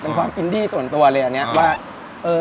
เป็นความอินดี้ส่วนตัวเลยอันนี้ว่า